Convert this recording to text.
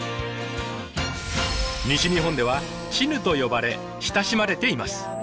西日本では「チヌ」と呼ばれ親しまれています。